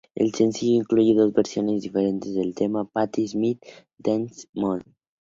El sencillo incluye dos versiones diferentes del tema de Patti Smith "Dancing Barefoot".